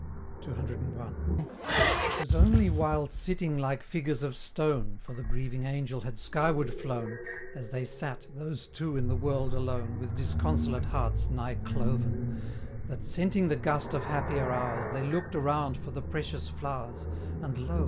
CCI. It was only while sitting like figures of stone, For the grieving Angel had skyward flown, As they sat, those Two in the world alone, With disconsolate hearts nigh cloven, That scenting the gust of happier hours, They look'd around for the precious flow'rs, And lo!